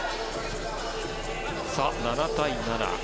７対７。